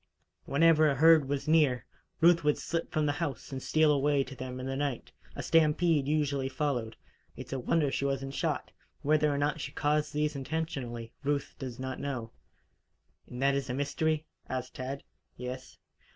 Whenever a herd was near, Ruth would slip from the house and steal away to them in the night, A stampede usually followed. It's a wonder she wasn't shot. Whether or not she caused these intentionally, Ruth does not know " "And that is the mystery?" asked Tad. "Yes."